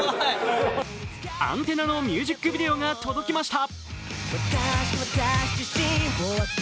「ＡＮＴＥＮＮＡ」のミュージックビデオが届きました。